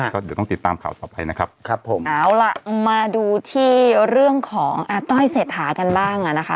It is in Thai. ก็เดี๋ยวต้องติดตามข่าวต่อไปนะครับครับผมเอาล่ะมาดูที่เรื่องของอาต้อยเศรษฐากันบ้างอ่ะนะคะ